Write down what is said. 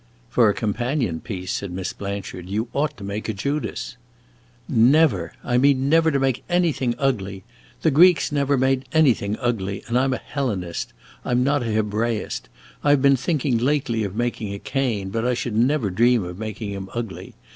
"For a companion piece," said Miss Blanchard, "you ought to make a Judas." "Never! I mean never to make anything ugly. The Greeks never made anything ugly, and I 'm a Hellenist; I 'm not a Hebraist! I have been thinking lately of making a Cain, but I should never dream of making him ugly.